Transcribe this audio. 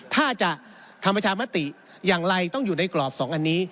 ถ้าจะทำประชามติอย่างไรต้องอยู่ในกรอบ๒อันนี้